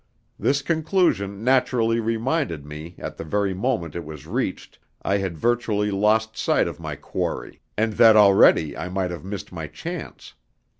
This conclusion naturally reminded me that at the very moment it was reached I had virtually lost sight of my quarry, and that already I might have missed my chance.